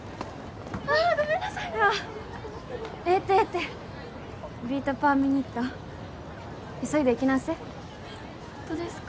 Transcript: あっごめんなさいいやええってええってビート・パー・ミニット急いで行きなっせホントですか？